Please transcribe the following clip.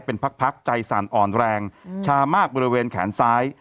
เป็นพักใจสั่นอ่อนแรงชามากบริเวณแขนซ้าย